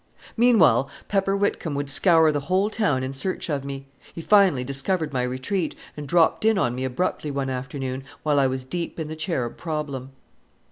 Meanwhile Pepper Whitcomb would scour the whole town in search of me. He finally discovered my retreat, and dropped in on me abruptly one afternoon, while I was deep in the cherub problem.